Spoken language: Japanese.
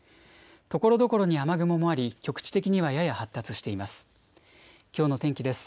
ところどころに雨雲もあり局地的にはやや発達しています。